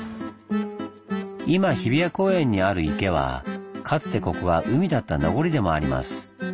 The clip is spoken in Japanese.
今日比谷公園にある池はかつてここが海だった名残でもあります。